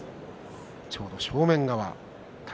ちょうど正面側宝